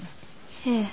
ええ。